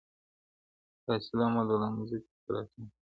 فاصله مو ده له مځکي تر تر اسمانه.